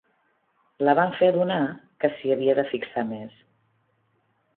La van fer adonar que s'hi havia de fixar més.